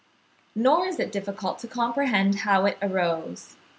Nor is it difficult to comprehend how it arose.